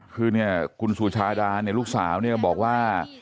คือคุณสุชาดาลลูกสาวบอกว่า